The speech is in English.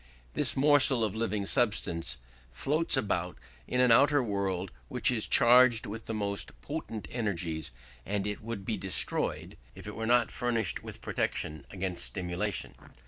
This morsel of living substance floats about in an outer world which is charged with the most potent energies, and it would be destroyed ... if it were not furnished with protection against stimulation.